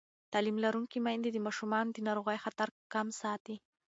تعلیم لرونکې میندې د ماشومانو د ناروغۍ خطر کم ساتي.